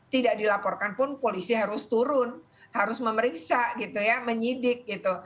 tidak dilaporkan pun polisi harus turun harus memeriksa gitu ya menyidik gitu